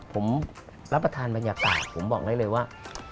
ผมรับประทานบรรยากาศผมบอกได้เลยว่า